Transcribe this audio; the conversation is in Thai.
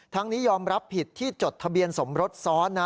นี้ยอมรับผิดที่จดทะเบียนสมรสซ้อนนะ